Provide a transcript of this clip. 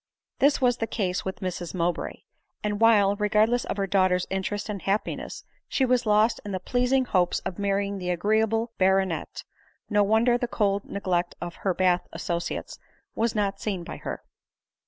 This was the case with Mrs Mowbray ; and while, regardless of her daughter's interest and happiness, she was lost in the pleasing hopes of marrying the agreeable baronet, no wonder the cold neglect of her Bath associates was not seen by her.